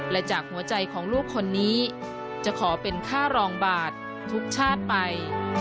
และจากหัวใจของลูกคนนี้จะขอเป็นค่ารองบาททุกชาติไป